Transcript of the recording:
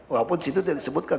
walaupun disitu tidak disebutkan